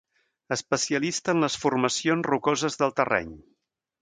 Especialista en les formacions rocoses del terreny.